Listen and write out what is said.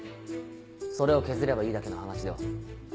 それを削ればいいだけの話では。